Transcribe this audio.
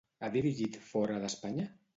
Ha dirigit fora d'Espanya?